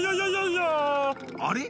あれ？